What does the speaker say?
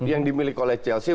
yang dimiliki oleh chelsea